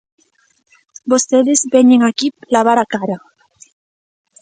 Vostedes veñen aquí lavar a cara.